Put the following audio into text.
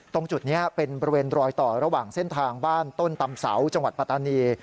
ตรงจุดนี้เป็นบริเวณรอยต่อระหว่างเส้นทางบ้านต้นตำเสาจังหวัดปัตตานี